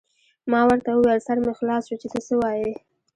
ما ورته وویل: سر مې خلاص شو، چې ته څه وایې.